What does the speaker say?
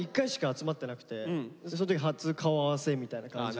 その時初顔合わせみたいな感じで。